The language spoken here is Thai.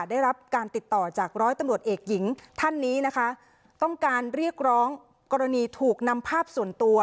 ได้รับการติดต่อจากร้อยตำรวจเอกหญิงท่านนี้นะคะต้องการเรียกร้องกรณีถูกนำภาพส่วนตัว